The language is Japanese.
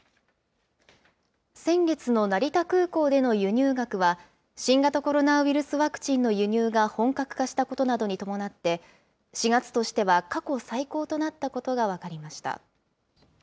先月の成田空港での輸入額は、新型コロナウイルスワクチンの輸入が本格化したことなどに伴って、４月としては過去最高となったことが分かりました。